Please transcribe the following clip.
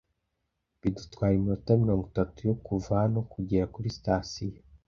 bidutwara iminota mirongo itatu yo kuva hano kugera kuri sitasiyo